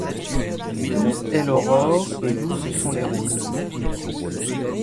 Douce est l’aurore, et douces sont les roses.